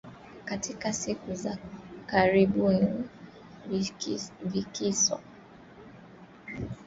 Katika siku za karibuni vikosi vimewakamata waandamanaji wengi vikilenga viongozi katika makundi pinzani